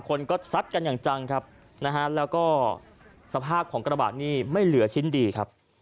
คนก็ซัดกันอย่างจังครับนะฮะแล้วก็สภาพของกระบะนี่ไม่เหลือชิ้นดีครับ